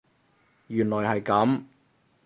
原來係噉